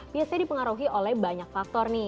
biasanya dipengaruhi oleh banyak faktor nih